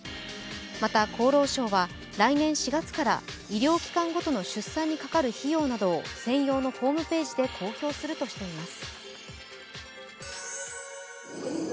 また、厚労省は来年４月から医療機関ごとの出産にかかる費用などを専用のホームページで公表するとしています。